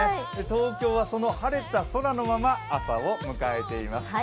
東京はその晴れた空のまま朝を迎えています。